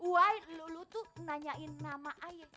wah lulu tuh nanyain nama ayah